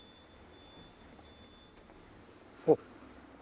おっ。